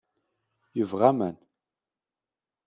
Yebɣa aman.